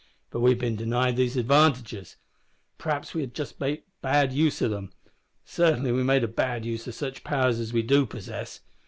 But we've bin denied these advantages. P'r'aps we'd have made a bad use of 'em. Sartinly we've made a bad use o' sich powers as we do possess.